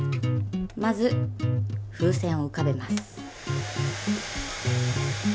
まず風船を浮かべます。